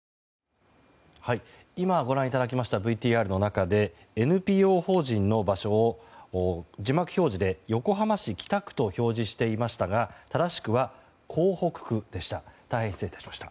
今ご覧いただきましたＶＴＲの中でＮＰＯ法人の場所を字幕表示で横浜市北区と表示していましたが正しくは港北区でした。